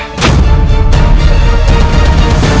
hidup raden kiasatang